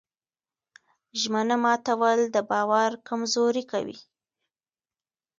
ژمنه ماتول د باور کمزوري کوي.